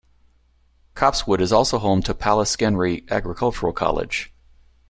Copsewood also is home to Pallaskenry Agricultural College.